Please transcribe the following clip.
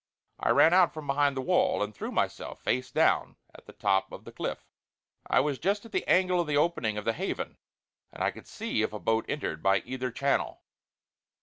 I ran out from behind the wall and threw myself face down at the top of the cliff. I was just at the angle of the opening of the Haven and I could see if a boat entered by either channel.